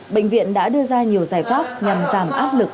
bệnh viện đã đưa ra nhiều giải pháp nhằm giảm áp lực